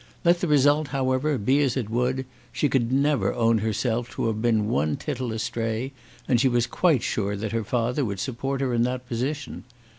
Let the result, however, be as it would, she could never own herself to have been one tittle astray, and she was quite sure that her father would support her in that position.